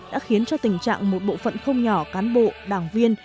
đã khiến cho tình trạng một bộ phận không nhỏ cán bộ đảng viên